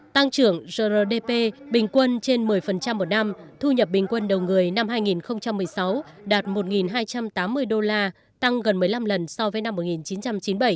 tăng trưởng grdp bình quân trên một mươi một năm thu nhập bình quân đầu người năm hai nghìn một mươi sáu đạt một hai trăm tám mươi đô la tăng gần một mươi năm lần so với năm một nghìn chín trăm chín mươi bảy